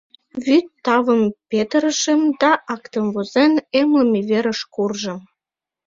Вӱд тавым петырышым да, актым возен, эмлыме верыш куржым.